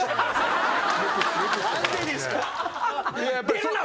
出るな！